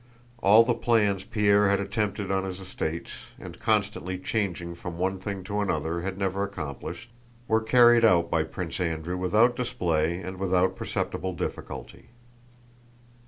All the plans Pierre had attempted on his estates—and constantly changing from one thing to another had never accomplished—were carried out by Prince Andrew without display and without perceptible difficulty.